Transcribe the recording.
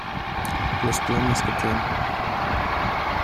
los planes que tienen